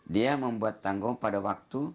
dia membuat tanggung pada waktu